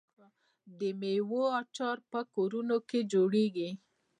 د میوو اچار په کورونو کې جوړیږي.